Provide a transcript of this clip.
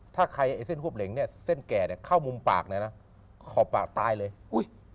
ถ้าใครให้เส้นห้วบเหล็งเส้นแก่เข้ามุมปากเขามาตายเลย